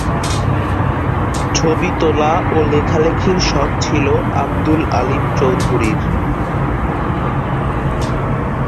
ছবি তোলা ও লেখালেখির শখ ছিল আবদুল আলীম চৌধুরীর।